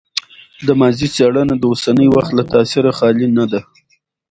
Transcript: د ماضي څېړنه د اوسني وخت له تاثیره خالي نه ده.